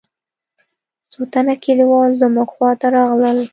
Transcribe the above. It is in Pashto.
څو تنه کليوال زموږ خوا ته راغلل.